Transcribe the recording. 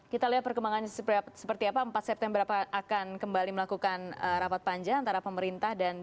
kita lihat perkembangannya seperti apa empat september akan kembali melakukan rapat panjang antara pemerintah dan dpr ya